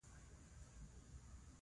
الحمدالله. بیخي ښۀ یم.